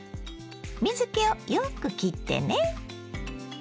水けをよくきってね。